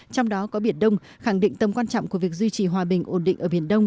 trong đó có biển đông khẳng định tầm quan trọng của việc duy trì hòa bình ổn định ở biển đông